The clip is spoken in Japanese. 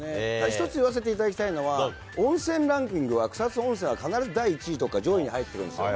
一つ言わせていただきたいのは、温泉ランキングは、草津温泉は必ず第１位とか、上位に入っているんですよ。